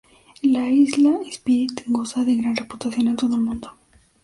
La isla Spirit goza de gran reputación en todo el mundo.